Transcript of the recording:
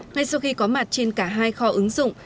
ngay sau khi có mặt trên cả hai kho ứng dụng